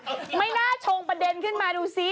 ไม่น่าชงประเด็นขึ้นมาดูซิ